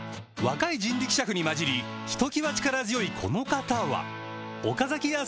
若い人力車夫に交じりひときわ力強いこの方は岡崎屋